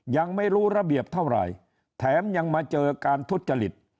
ยังไม่รู้ระเบียบเท่าไหร่แถมยังมาเจอการทุจริต